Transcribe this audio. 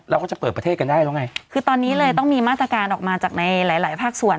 เราก็จะเปิดประเทศกันได้แล้วไงคือตอนนี้เลยต้องมีมาตรการออกมาจากในหลายหลายภาคส่วน